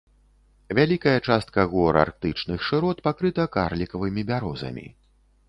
Вялікая частка гор арктычных шырот пакрыта карлікавымі бярозамі.